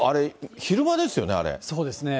あれ、そうですね。